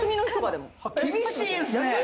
厳しいんすね。